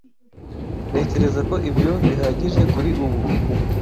Ntekereza ko ibyo bihagije kuri ubu.